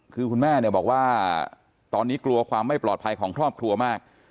คือคุณแม่เนี่ยบอกว่าตอนนี้กลัวความไม่ปลอดภัยของครอบครัวมาก